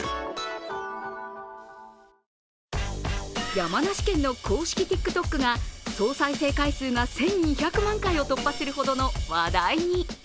山梨県の公式ＴｉｋＴｏｋが総再生回数が１２００万回を突破するほどの話題に。